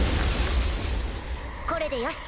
これでよし。